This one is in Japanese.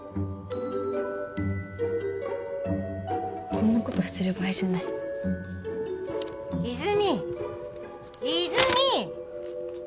こんなことしてる場合じゃない泉泉！